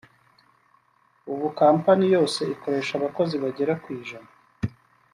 ubu Kompanyi yose ikoresha abakozi bagera ku ijana